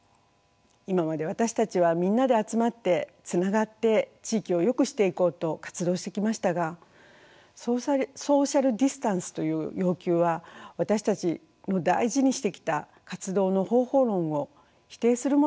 今まで私たちはみんなで集まってつながって地域をよくしていこうと活動してきましたがソーシャルディスタンスという要求は私たちの大事にしてきた活動の方法論を否定するものでした。